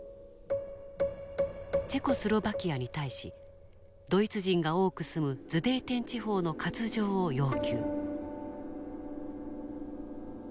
チェコスロバキアに対しドイツ人が多く住むズデーテン地方の割譲を要求。